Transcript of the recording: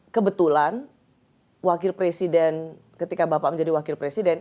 kebetulan wakil presiden ketika bapak menjadi wakil presiden